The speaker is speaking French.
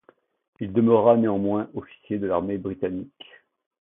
Il demeura néanmoins officier de l'armée britannique.